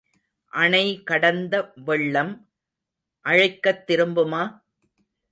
அணை கடந்த வெள்ளம் அழைக்கத் திரும்புமா?